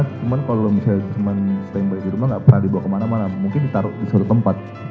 cuman kalau stand by di rumah tidak pernah dibawa kemana mana mungkin ditaruh di suatu tempat